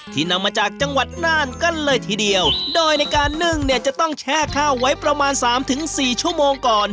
นำมาจากจังหวัดน่านกันเลยทีเดียวโดยในการนึ่งเนี่ยจะต้องแช่ข้าวไว้ประมาณสามถึงสี่ชั่วโมงก่อน